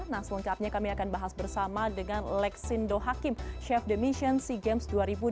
nah selengkapnya kami akan bahas bersama dengan lexindo hakim chef de mission sea games dua ribu dua puluh